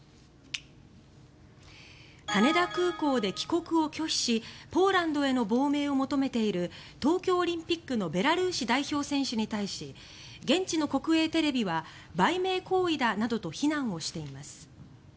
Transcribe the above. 羽田空港で帰国を拒否しポーランドへの亡命を求めている東京オリンピックのベラルーシ代表選手に対し現地の国営テレビは売名行為だなどと非難しています。